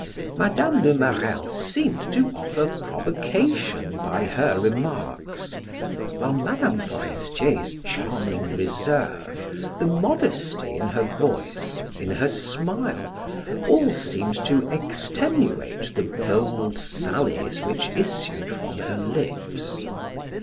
Mme. de Marelle seemed to offer provocation by her remarks, while Mme. Forestier's charming reserve, the modesty in her voice, in her smile, all seemed to extenuate the bold sallies which issued from her lips.